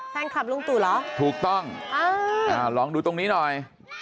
แฟนคลับลุงตู่เหรอถูกต้องลองดูตรงนี้หน่อย